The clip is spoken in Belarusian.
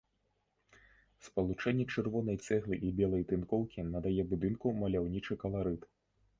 Спалучэнне чырвонай цэглы і белай тынкоўкі надае будынку маляўнічы каларыт.